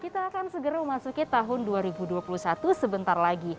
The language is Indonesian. kita akan segera memasuki tahun dua ribu dua puluh satu sebentar lagi